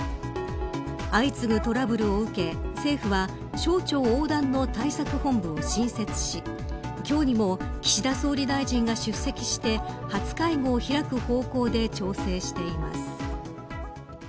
相次ぐトラブルを受け、政府は省庁横断の対策本部を新設し今日にも岸田総理大臣が出席して初会合を開く方向で調整しています。